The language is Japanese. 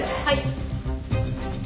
はい。